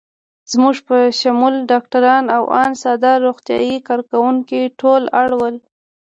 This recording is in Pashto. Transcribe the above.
زموږ په شمول ډاکټران او آن ساده روغتیايي کارکوونکي ټول اړ ول.